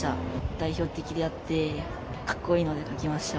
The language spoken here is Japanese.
代表的であって格好いいのを描きました。